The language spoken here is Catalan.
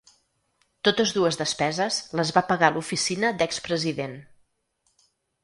Totes dues despeses les va pagar l’oficina d’ex-president.